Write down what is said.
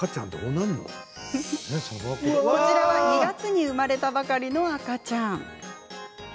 こちらは２月に生まれたばかりの赤ちゃん。